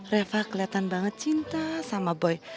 reva kelihatan banget cinta sama boy